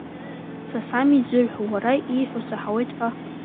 Са сами изырҳәо, уара, ииҳәо саҳауеит ҳәа!